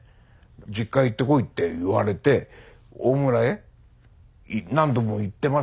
実家行ってこいって言われて大村へ何度も行ってますから。